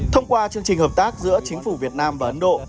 thông qua chương trình hợp tác giữa chính phủ việt nam và ấn độ